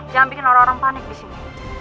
jangan bikin orang orang panik disini